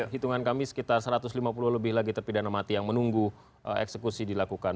hitungan kami sekitar satu ratus lima puluh lebih lagi terpidana mati yang menunggu eksekusi dilakukan